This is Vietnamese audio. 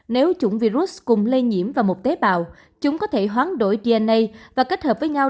nếu chủng virus cùng lây nhiễm vào một tế bào chúng có thể hoán đổi gna và kết hợp với nhau